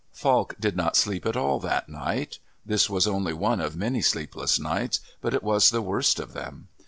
Falk did not sleep at all that night. This was only one of many sleepless nights, but it was the worst of them.